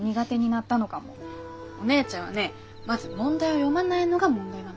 お姉ちゃんはねまず問題を読まないのが問題なの。